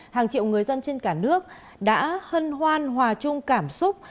hàng triệu người dân trên cả nước đã hân hoan hòa chung cảm xúc